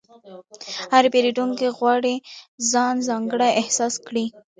هر پیرودونکی غواړي ځان ځانګړی احساس کړي.